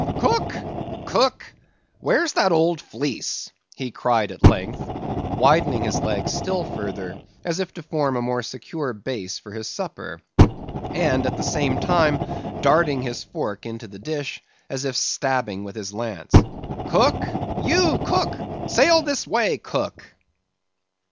"Cook, cook!—where's that old Fleece?" he cried at length, widening his legs still further, as if to form a more secure base for his supper; and, at the same time darting his fork into the dish, as if stabbing with his lance; "cook, you cook!—sail this way, cook!"